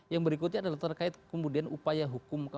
yang berikutnya adalah terkait kemudian upaya hukum